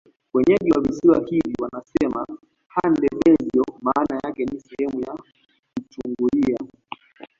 Wenyeji wa Visiwa hivi wanasema Handebezyo maana yake ni Sehemu ya kuchungulia